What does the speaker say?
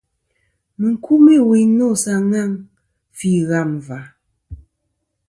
Mɨ n-kumî wuyn nô sa ŋaŋ fî ghâm và..